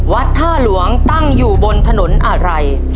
ท่าหลวงตั้งอยู่บนถนนอะไร